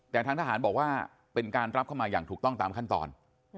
แต่ทางทหารบอกว่าเป็นการรับเข้ามาอย่างถูกต้องตามขั้นตอน